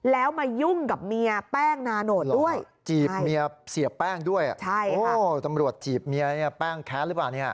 แล้วมายุ่งกับเมียแป้งนาโนตด้วยจีบเมียเสียแป้งด้วยตำรวจจีบเมียเนี่ยแป้งแค้นหรือเปล่าเนี่ย